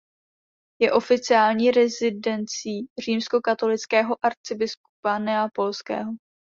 Je oficiální rezidencí římskokatolického arcibiskupa neapolského.